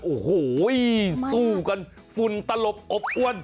โอ้โหสู้กันฝุ่นตลบอบอ้วน